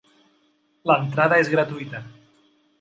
L'entrada és gratuïta.